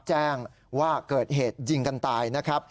แจ้งว่าเกิดเหตุยิงกันตายนะครับ